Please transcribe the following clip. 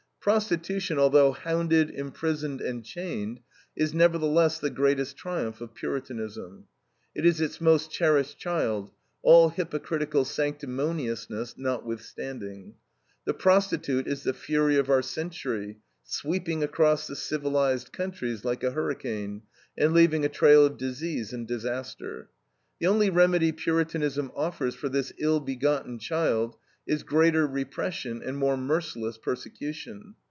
Prostitution, although hounded, imprisoned, and chained, is nevertheless the greatest triumph of Puritanism. It is its most cherished child, all hypocritical sanctimoniousness notwithstanding. The prostitute is the fury of our century, sweeping across the "civilized" countries like a hurricane, and leaving a trail of disease and disaster. The only remedy Puritanism offers for this ill begotten child is greater repression and more merciless persecution.